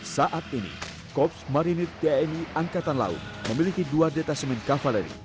saat ini korps marinir tni angkatan laut memiliki dua detasemen kavaleri